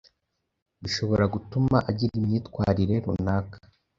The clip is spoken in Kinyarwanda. bishobora gutuma agira imyitwarire runaka